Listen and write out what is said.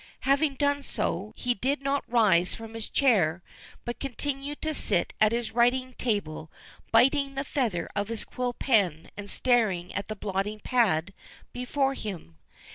Having done so, he did not rise from his chair, but continued to sit at his writing table biting the feather of his quill pen and staring at the blotting pad before him.